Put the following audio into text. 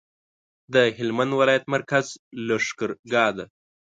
د هلمند ولایت مرکز لښکرګاه ده